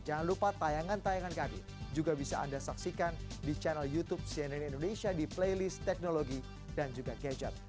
jangan lupa tayangan tayangan kami juga bisa anda saksikan di channel youtube cnn indonesia di playlist teknologi dan juga gadget